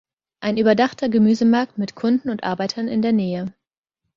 Ein überdachter Gemüsemarkt mit Kunden und Arbeitern in der Nähe.